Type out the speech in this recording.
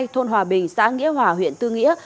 thôn hòa bình xã nghĩa hòa huyện tư nghĩa